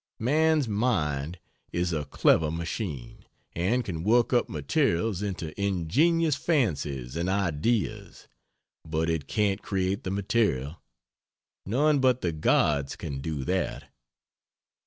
Man's mind is a clever machine, and can work up materials into ingenious fancies and ideas, but it can't create the material; none but the gods can do that.